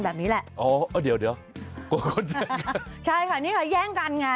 แบบนี้แหละอ๋อเอาเดี๋ยวเดี๋ยวกลัวคนจะใช่ค่ะนี่ค่ะแย่งกันไง